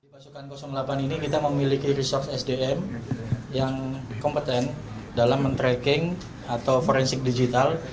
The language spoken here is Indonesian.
pasukan delapan ini kita memiliki resource sdm yang kompeten dalam men tracking atau forensik digital